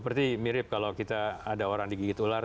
berarti mirip kalau kita ada orang digigit ular